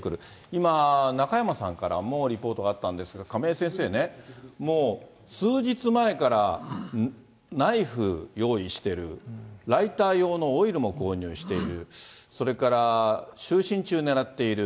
今、中山さんからもリポートがあったんですが、亀井先生ね、もう、数日前からナイフ用意してる、ライター用のオイルも購入している、それから就寝中を狙っている。